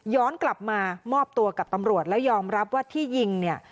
กลับมามอบตัวกับตำรวจแล้วยอมรับว่าที่ยิงเนี่ย